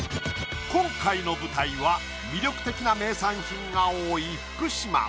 今回の舞台は魅力的な名産品が多い福島。